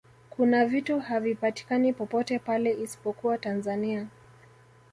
kuna vitu havipatikani popote pale isipokuwa tanzania